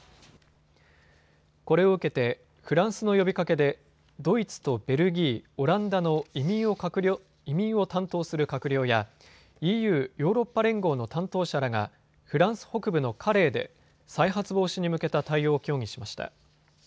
これを受けてフランスの呼びかけでドイツとベルギー、オランダの移民を担当する閣僚やＥＵ・ヨーロッパ連合の担当者らがフランス北部のカレーで再発防止に向けた対応を協議しました。